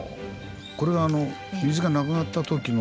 これが水がなくなった時の。